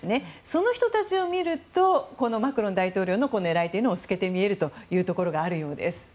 その人たちを見るとマクロン大統領の狙いも透けて見えるというところがあるようです。